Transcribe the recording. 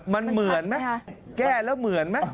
มันเหมือนไหมแก้แล้วเหมือนไหม